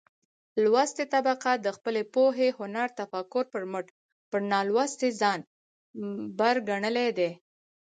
لوستې طبقه د خپلې پوهې، هنر ،تفکر په مټ پر نالوستې ځان بر ګنلى دى.